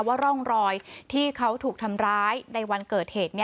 ว่าร่องรอยที่เขาถูกทำร้ายในวันเกิดเหตุ